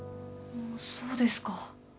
そうですか。